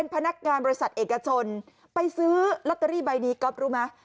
พนักงานบริษัทเอกชนไปซื้อลอตเตอรี่ใบนี้ก๊อฟรู้ไหม